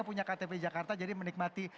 punya ktp jakarta jadi menikmati